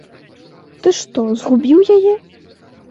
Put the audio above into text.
Ты што, згубіў яе?